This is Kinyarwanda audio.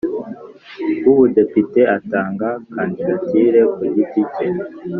w Ubudepite atanga kandidatire ku giti cye